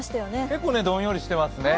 結構どんよりしてますね。